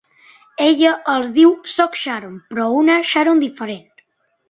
Ella els diu "Sóc Sharon, però una Sharon diferent".